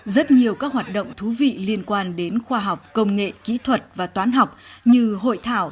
rất nhiều các hoạt động thú vị liên quan đến khoa học công nghệ kỹ thuật và toán học như hội thảo